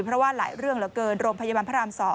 เพราะว่าหลายเรื่องเหลือเกินโรงพยาบาลพระราม๒